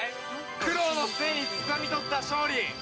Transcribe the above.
苦労の末につかみ取った勝利！